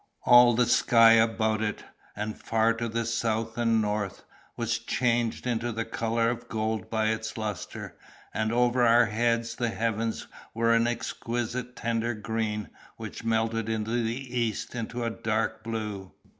All the sky about it, and far to the south and north, was changed into the color of gold by its lustre; and over our heads the heavens were an exquisite tender green, which melted in the east into a dark blue.